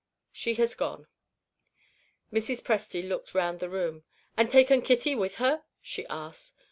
"She has gone." Mrs. Presty looked round the room. "And taken Kitty with her?" she asked.